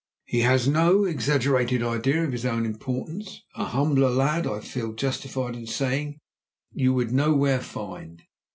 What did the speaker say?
"He has no exaggerated idea of his own importance; a humbler lad, I feel justified in saying, you would nowhere find.